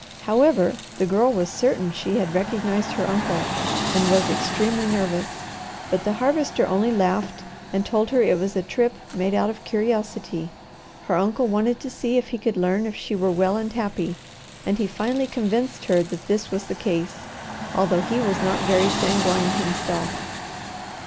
However, the Girl was certain she had recognized her uncle, and was extremely nervous; but the Harvester only laughed and told her it was a trip made out of curiosity. Her uncle wanted to see if he could learn if she were well and happy, and he finally convinced her that this was the case, although he was not very sanguine himself.